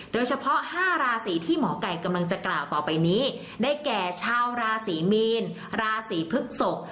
๕ราศีที่หมอไก่กำลังจะกล่าวต่อไปนี้ได้แก่ชาวราศีมีนราศีพฤกษก